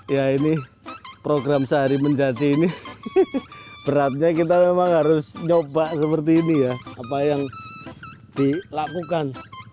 ya ini program sehari menjadi ini beratnya kita memang harus nyoba seperti ini ya apa yang dilakukan